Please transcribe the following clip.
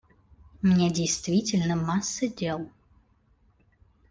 У меня действительно масса дел.